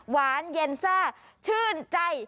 หวานเย็นซ่าชื่นใจ